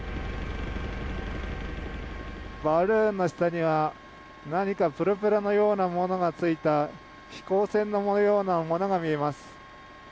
バルーンの下には、何かプロペラのようなものがついた飛行船のようなものが見えます。